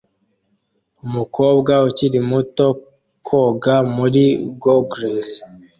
Umukobwa ukiri muto koga muri goggles